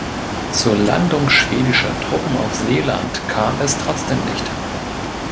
Zur Landung schwedischer Truppen auf Seeland kam es trotzdem nicht.